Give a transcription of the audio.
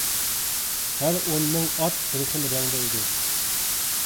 ھەر ئون مىڭ ئات بىر خىل رەڭدە ئىدى.